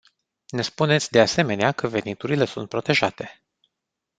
Ne spuneți, de asemenea, că veniturile sunt protejate.